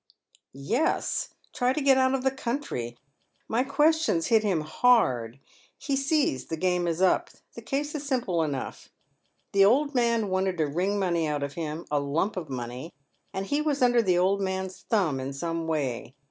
" Yes. Try to get out of the country. My questions hit hira hard. He sees the game is up. The case is simple enough. The old man wanted to wring money out of him, a lump of money, and he was under the old man's thumb in some way.